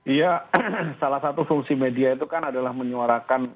iya salah satu solusi media itu kan adalah menyuarakan